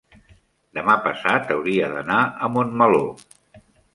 demà passat hauria d'anar a Montmeló.